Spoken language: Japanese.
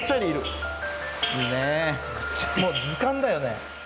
もう図鑑だよね。